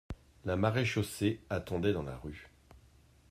La maréchaussée attendait dans la rue.